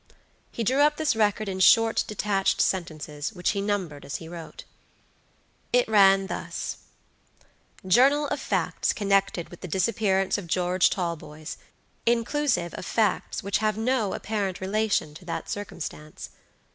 He drew up this record in short, detached sentences, which he numbered as he wrote. It ran thus: "Journal of Facts connected with the Disappearance of George Talboys, inclusive of Facts which have no apparent Relation to that Circumstance."